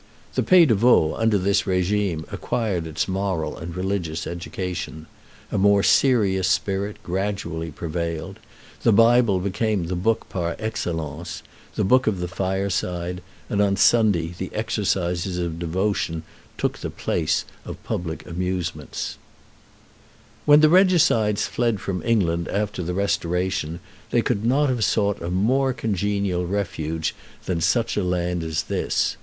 The Pays de Vaud under this régime acquired its moral and religious education. A more serious spirit gradually prevailed. The Bible became the book par excellence, the book of the fireside, and on Sunday the exercises of devotion took the place of the public amusements." [Illustration: Church Terrace, Montreux] When the regicides fled from England after the Restoration they could not have sought a more congenial refuge than such a land as this.